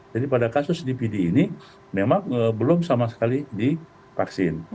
jadi pada kasus dpd ini memang belum sama sekali divaksin